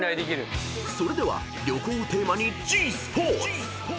［それでは旅行をテーマにｇスポーツ］